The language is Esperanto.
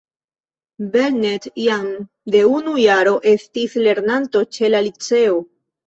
Belnett jam de unu jaro estis lernanto ĉe la liceo.